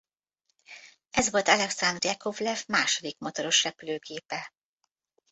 Ez volt Alekszandr Jakovlev második motoros repülőgépe.